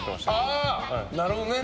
あー、なるほどね。